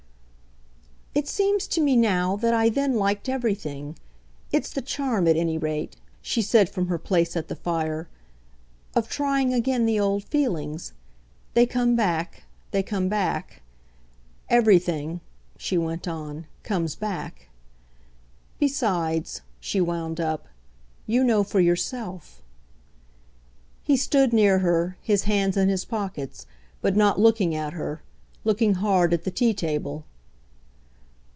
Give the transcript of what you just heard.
"It seems to me now that I then liked everything. It's the charm, at any rate," she said from her place at the fire, "of trying again the old feelings. They come back they come back. Everything," she went on, "comes back. Besides," she wound up, "you know for yourself." He stood near her, his hands in his pockets; but not looking at her, looking hard at the tea table.